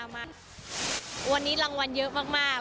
วันนี้รางวัลเยอะมาก